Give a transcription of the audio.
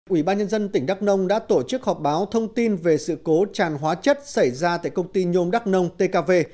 ủy ban nhân dân tỉnh đắk nông đã tổ chức họp báo thông tin về sự cố tràn hóa chất xảy ra tại công ty nhôm đắk nông tkv